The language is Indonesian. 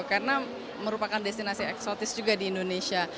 karena merupakan destinasi eksotis juga di indonesia